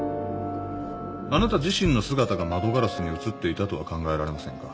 あなた自身の姿が窓ガラスに映っていたとは考えられませんか？